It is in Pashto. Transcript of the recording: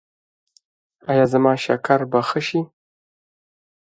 ایا زما شکر به ښه شي؟